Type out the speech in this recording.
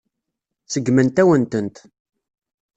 Seggment-awen-tent.